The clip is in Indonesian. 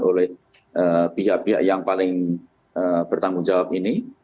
oleh pihak pihak yang paling bertanggung jawab ini